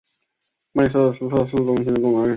曼彻斯特市中心的东南。